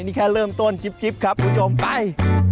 นี่แค่เริ่มต้นจิ๊บครับคุณผู้ชมไป